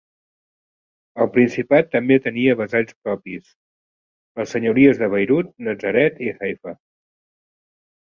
El Principat també tenia vassalls propis: les senyories de Beirut, Natzaret i Haifa.